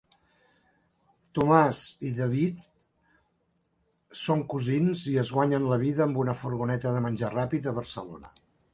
Tomàs i David són cosins i es guanyen la vida amb una furgoneta de menjar ràpid a Barcelona.